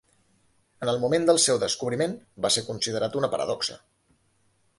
En el moment del seu descobriment, va ser considerat una paradoxa.